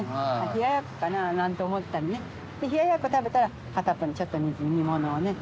冷ややっこかなぁなんて思ったりねで冷ややっこ食べたら片っぽにちょっと煮物をね